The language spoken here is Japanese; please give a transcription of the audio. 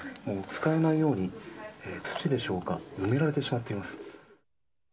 もう使えないように、土でしょうか、埋められてしまっています。